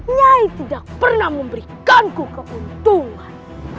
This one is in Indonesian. nyai tidak pernah memberikanku keuntungan